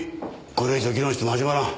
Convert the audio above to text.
これ以上議論しても始まらん。